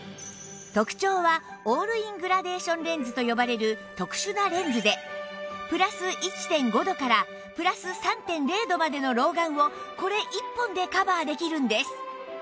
特長はオールイングラデーションレンズと呼ばれる特殊なレンズでプラス １．５ 度からプラス ３．０ 度までの老眼をこれ１本でカバーできるんです